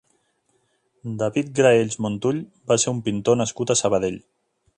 David Graells Montull va ser un pintor nascut a Sabadell.